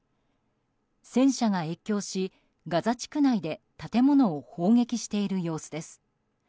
戦車が越境し、ガザ地区内で建物を砲撃している様子です。